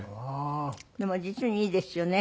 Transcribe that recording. でも実にいいですよね